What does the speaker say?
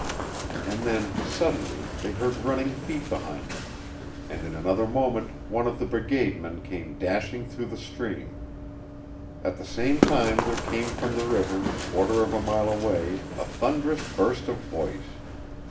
And then, suddenly, they heard running feet behind them, and in another moment one of the brigade men came dashing through the stream. At the same time there came from the river a quarter of a mile away a thunderous burst of voice.